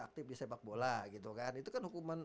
aktif di sepak bola gitu kan itu kan hukuman